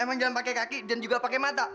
emang jalan pakai kaki dan juga pakai mata